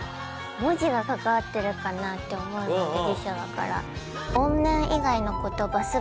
文字が関わってるかなって思うので辞書だから。